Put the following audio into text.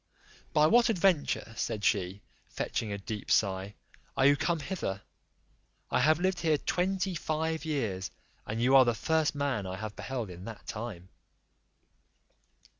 "By what adventure," said she, fetching a deep sigh, "are you come hither? I have lived here twenty five years, and you are the: first man I have beheld in that time."